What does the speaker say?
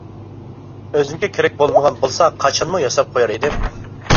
ئۆزۈمگە كېرەك بولمىغان بولسا قاچانمۇ ياساپ قويار ئىدىم.